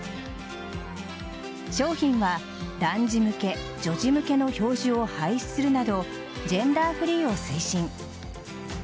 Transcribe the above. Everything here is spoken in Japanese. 商品は男児向け・女児向けの表示を廃止するなどジェンダーフリーを推進。